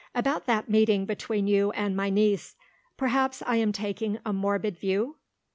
About that meeting between you and my niece? Perhaps, I am taking a morbid view?"